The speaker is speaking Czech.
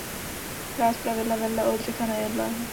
Hrál zpravidla vedle Oldřicha Nejedlého.